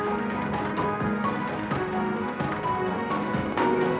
apa yang membuat setiap pertani merasa bersyukur